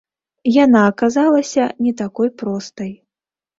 Яна аказалася не такой простай.